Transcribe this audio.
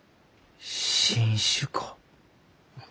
新種か。